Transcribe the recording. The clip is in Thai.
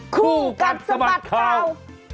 คู่กัดสะบัดข่าว